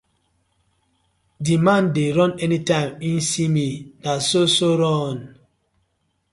Di man dey run anytime im see mi no so so run.